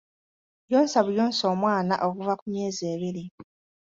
Yonsa buyonsa omwana okuva ku myezi ebiri.